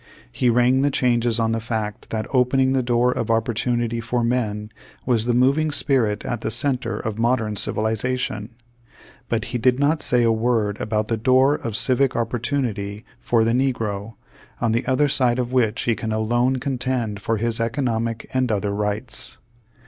He rang the changes on the fact that opening the door of opportunity for men was the moving spirit at the center of modern civilization ; but he did not say a v/ord about the door of civic opportunity for the negro, on the other side of which he can alone contend for his economic and other rights.